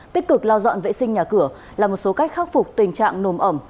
tích cực lao dọn vệ sinh nhà cửa là một số cách khắc phục tình trạng nồm ẩm